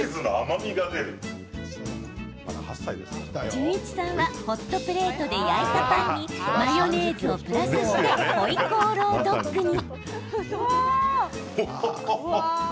順一さんはホットプレートで焼いたパンにマヨネーズをプラスしてホイコーロードッグに。